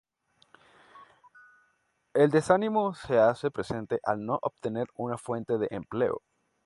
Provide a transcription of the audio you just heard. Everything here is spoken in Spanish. El desánimo se hace presente al no obtener una fuente de empleo.